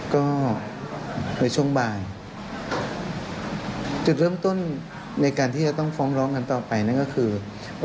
ก็พยายามที่จะฝ่าวงล้อมของสื่อกลับบ้านพักเลยนะครับ